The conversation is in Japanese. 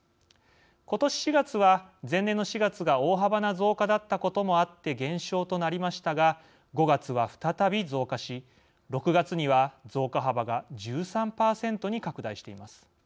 ことし４月は前年の４月が大幅な増加だったこともあって減少となりましたが５月は再び増加し６月には増加幅が１３％に拡大しています。